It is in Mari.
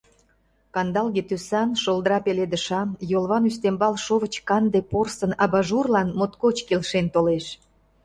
Кандалге тӱсан, шолдра пеледышан, йолван ӱстембал шовыч канде порсын абажурлан моткоч келшен толеш.